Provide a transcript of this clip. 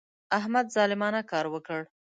احمد ظالمانه کار وکړ.